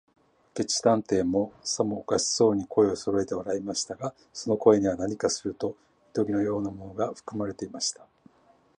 明智探偵も、さもおかしそうに、声をそろえて笑いましたが、その声には、何かするどいとげのようなものがふくまれていました。